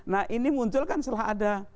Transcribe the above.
nah ini muncul kan setelah ada